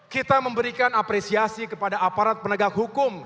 kita memberikan apresiasi kepada aparat penegak hukum